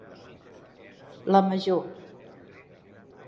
La major.